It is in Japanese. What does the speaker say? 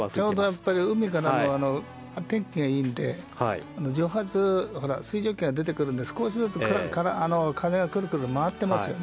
海からの、天気がいいので水蒸気が出てくるので少しずつ風がくるくる回っていますよね。